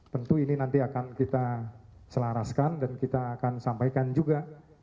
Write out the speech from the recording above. tentu ini nanti akan kita selaraskan dan kita akan sampaikan juga